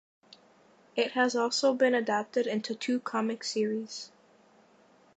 It has also been adapted into two comic series.